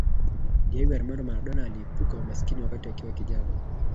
Diego Armando Maradona aliepuka umaskini wakati akiwa kijana